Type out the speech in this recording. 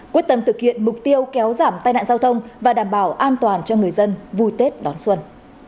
quyết tâm thực hiện mục tiêu kéo giảm tai nạn giao thông và đảm bảo an toàn cho người dân vui tết đón xuân